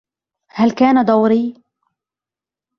هل كان دوري؟